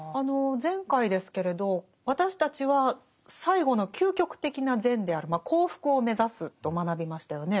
前回ですけれど私たちは最後の究極的な善である「幸福」を目指すと学びましたよね。